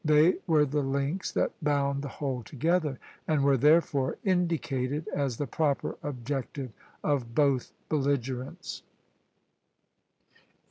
They were the links that bound the whole together, and were therefore indicated as the proper objective of both belligerents.